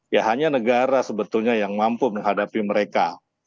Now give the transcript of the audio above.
ya hanya negara sebetulnya yang mampu menghadapi mereka